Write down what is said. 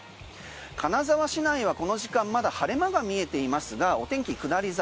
金沢市内はこの時間まだ晴れ間が見えていますがお天気は下り坂。